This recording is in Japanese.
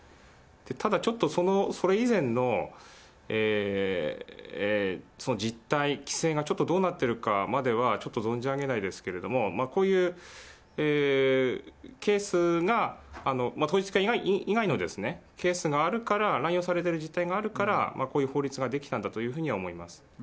ただちょっとそれ以前の実態、規制がちょっとどうなってるかまではちょっと存じ上げないですけれども、こういうケースが、統一教会以外のケースがあるから、乱用されてる実態があるから、こういう法律が出来たんだというふうには思います。